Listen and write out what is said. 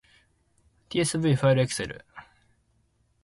tsv ファイルエクセル